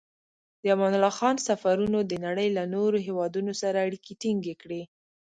د امان الله خان سفرونو د نړۍ له نورو هېوادونو سره اړیکې ټینګې کړې.